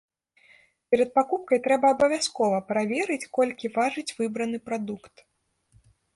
Перад пакупкай трэба абавязкова праверыць, колькі важыць выбраны прадукт.